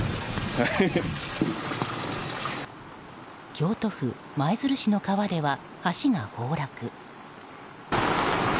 京都府舞鶴市の川では橋が崩落。